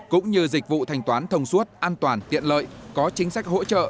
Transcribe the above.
cũng như dịch vụ thanh toán thông suốt an toàn tiện lợi có chính sách hỗ trợ